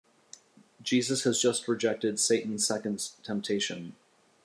Jesus has just rejected Satan's second temptation.